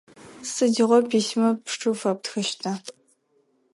Сыдигъо письмэ пшы фэптхыщта?